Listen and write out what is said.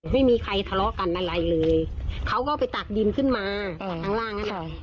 ไม่มีใครทะเลาะกันอะไรเลยเขาก็ไปตักดินขึ้นมาข้างล่างนั้น